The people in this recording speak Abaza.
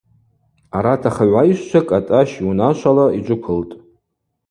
Арат ахыгӏвайщчва Кӏатӏащ йунашвала йджвыквылтӏ.